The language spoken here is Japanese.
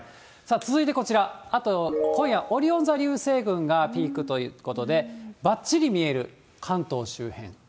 続いてこちら、あと今夜、オリオン座流星群がピークということで、ばっちり見える関東周辺。